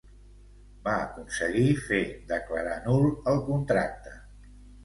Va aconseguir fer declarar nul el contracte.